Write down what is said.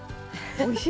おいしい！